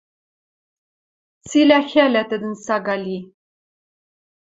Цилӓ хӓлӓ тӹдӹн сага ли.